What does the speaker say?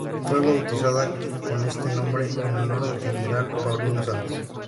Fue bautizada con este nombre en honor del general Paulino Santos.